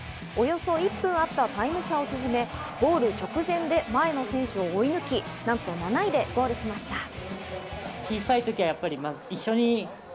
およそ１分あったタイム差を縮め、ゴール直前で前の選手を追い抜き、何と７位でゴールしました。